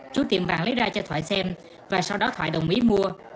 chú tiệm vàng lấy ra cho thoại xem và sau đó thoại đồng ý mua